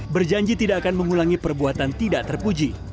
berjanji tidak akan mengulangi perbuatan tidak terpuji